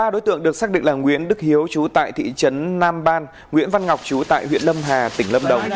ba đối tượng được xác định là nguyễn đức hiếu chú tại thị trấn nam ban nguyễn văn ngọc chú tại huyện lâm hà tỉnh lâm đồng